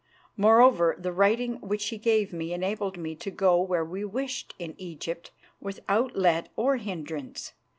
Moreover, the writing which he gave me enabled me to go where we wished in Egypt without let or hindrance.